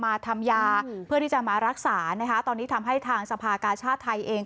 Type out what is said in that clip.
มาทำยาเพื่อที่จะมารักษานะคะตอนนี้ทำให้ทางสภากาชาติไทยเอง